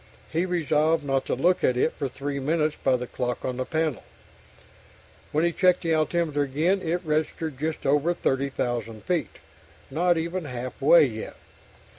He resolved not to look at it for three minutes by the clock on the panel. When he checked the altimeter again, it registered just over 30,000 feet. Not even half way yet.